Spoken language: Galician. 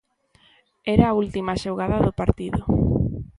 Era a última xogada do partido.